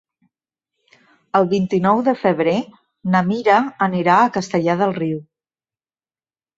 El vint-i-nou de febrer na Mira anirà a Castellar del Riu.